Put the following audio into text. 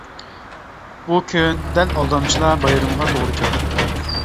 بۇ كۈن دەل ئالدامچىلار بايرىمىغا توغرا كەلدى.